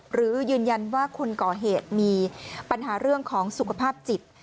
หรือยืนยันว่าคนก่อเหตุมีปัญหาเรื่องของสุขภาพจิต